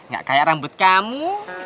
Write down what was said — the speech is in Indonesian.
gak kayak rambut kamu